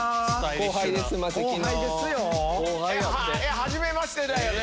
はじめましてだよね？